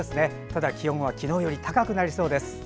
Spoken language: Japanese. ただ、気温は昨日より高くなりそうです。